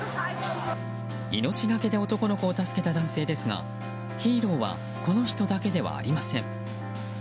命がけで男の子を助けた男性ですがヒーローはこの人だけではありません。